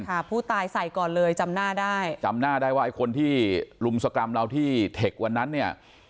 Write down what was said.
ค่ะผู้ตายใส่ก่อนเลยจำหน้าได้จำหน้าได้ว่าไอ้คนที่ลุมสกรรมเราที่เทควันนั้นเนี่ย